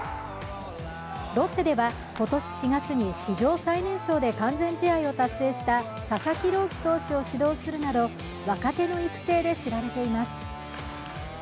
ロッテでは今年４月に史上最年少で完全試合を達成した佐々木朗希投手を指導するなど若手の育成で知られています。